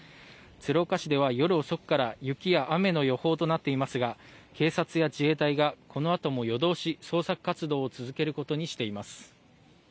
鶴岡市では夜遅くから雪や雨の予報となっていますが警察や自衛隊がこのあとも夜通し捜索活動を続けることにしています。